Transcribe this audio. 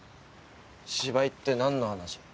芝居って何の話？